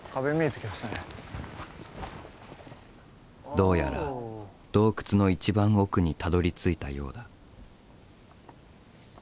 どうやら洞窟の一番奥にたどりついたようだ。